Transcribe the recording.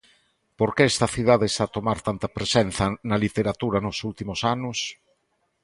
Por que esta cidade está a tomar tanta presenza na literatura nos últimos anos?